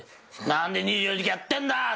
何で２４時間やってんだ！」